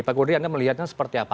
pak kurdi anda melihatnya seperti apa